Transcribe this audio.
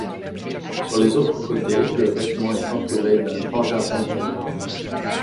Sur les autres côtés, le bâtiment est entouré d'un grand jardin italien.